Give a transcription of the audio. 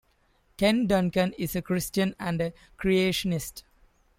Ken Duncan is a Christian and a creationist.